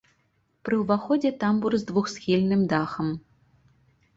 Пры ўваходзе тамбур з двухсхільным дахам.